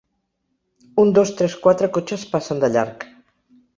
Un dos tres quatre cotxes passen de llarg.